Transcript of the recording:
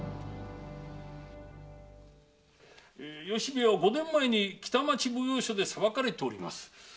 由兵衛は五年前に北町奉行所で裁かれております。